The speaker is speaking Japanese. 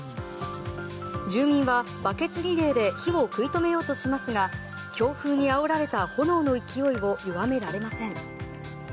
住民はバケツリレーで火を食い止めようとしますが強風にあおられた炎の勢いを弱められません。